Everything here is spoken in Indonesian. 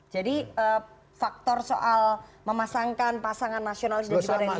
jadi faktor soal memasangkan pasangan nasional juga dari jus